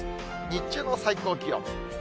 日中の最高気温。